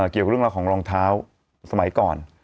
เกี่ยวกับเรื่องราวของรองเท้าสมัยก่อน